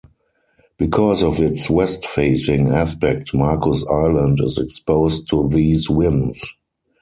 Because of its west facing aspect Marcus Island is exposed to these winds.